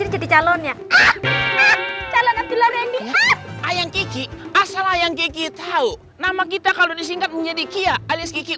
jadi calon ya ayam gigi asal yang gigi tahu nama kita kalau disingkat menjadi kia alis gigi